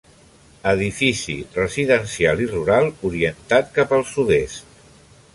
Edifici residencial i rural orientat cap al sud-est.